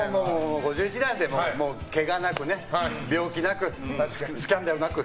５１なのでけがなく、病気なくスキャンダルなく。